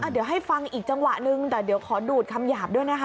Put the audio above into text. เดี๋ยวให้ฟังอีกจังหวะนึงแต่เดี๋ยวขอดูดคำหยาบด้วยนะคะ